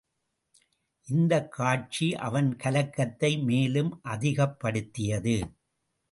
இந்தக் காட்சி அவன் கலக்கத்தை மேலும் அதிகப்படுத்தியது.